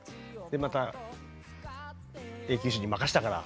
でまた永久歯に任したから。